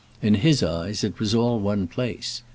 In his eyes it was all one place.